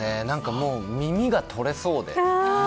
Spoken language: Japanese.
もう耳が取れそうで。